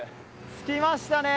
着きましたね。